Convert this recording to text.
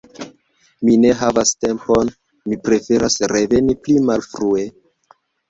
Mi ne havas tempon, mi preferas reveni pli malfrue.